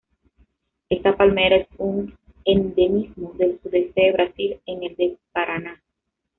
Esta palmera es un endemismo del sudeste del Brasil, en el de Paraná.